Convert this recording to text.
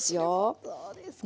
そうですか。